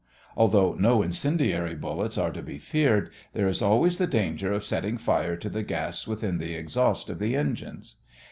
Although no incendiary bullets are to be feared, there is always the danger of setting fire to the gas within the exhaust of the engines.